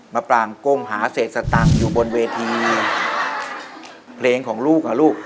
มาปรางก้มหาเศษสตังค์อยู่บนเวทีเพลงของลูกอ่ะลูก